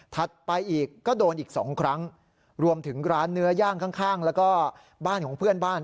ไปอีกก็โดนอีกสองครั้งรวมถึงร้านเนื้อย่างข้างแล้วก็บ้านของเพื่อนบ้าน